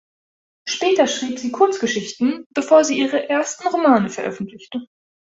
Später schrieb sie Kurzgeschichten, bevor sie ihre ersten Romane veröffentlichte.